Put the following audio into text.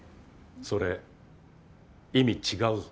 それ意味違うぞ。